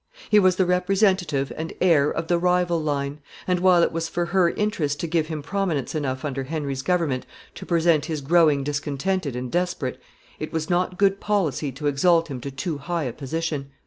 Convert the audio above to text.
He was the representative and heir of the rival line; and while it was for her interest to give him prominence enough under Henry's government to prevent his growing discontented and desperate, it was not good policy to exalt him to too high a position.